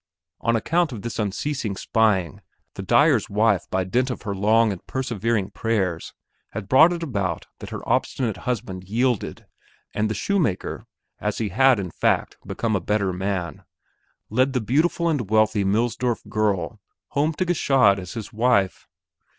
On account of this unceasing spying the dyer's wife by dint of her long and persevering prayers had brought it about that her obstinate husband yielded and that the shoemaker as he had, in fact, become a better man led the beautiful and wealthy Millsdorf girl home to Gschaid as his wife.